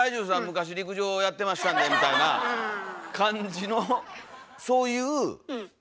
昔陸上やってましたんで」みたいな感じのそういう。